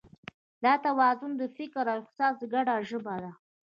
دا توازن د فکر او احساس ګډه ژبه ده.